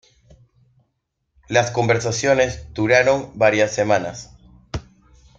Las conversaciones duraron varias semanas.